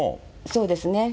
そうですね。